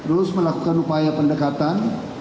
terus melakukan upaya pendekatan